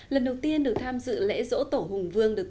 lần đầu tiên được tham dự lễ dỗ tổ hùng vương